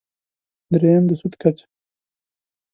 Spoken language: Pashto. درېیم: د سود کچه.